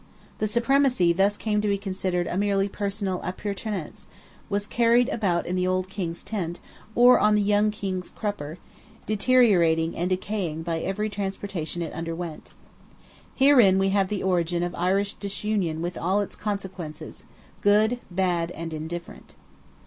The supremacy, thus came to be considered a merely personal appurtenance, was carried about in the old King's tent, or on the young King's crupper, deteriorating and decaying by every transposition it underwent. Herein, we have the origin of Irish disunion with all its consequences, good, bad, and indifferent.